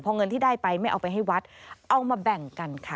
พอเงินที่ได้ไปไม่เอาไปให้วัดเอามาแบ่งกันค่ะ